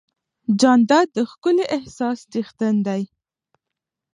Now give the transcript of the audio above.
جانداد د ښکلي احساس څښتن دی.